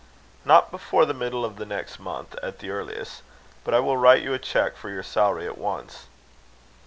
"Not before the middle of the next month, at the earliest. But I will write you a cheque for your salary at once."